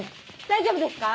大丈夫ですか？